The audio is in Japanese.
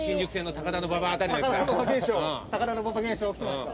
高田馬場現象起きてますか？